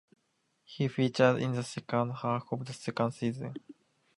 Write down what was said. He features in the second half of the second season.